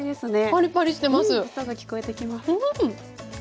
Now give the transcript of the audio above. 音が聞こえてきます。